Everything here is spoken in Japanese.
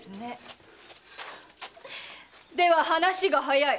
では話が早い。